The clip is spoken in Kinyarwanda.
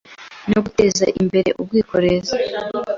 no guteza imbere ubwikorezi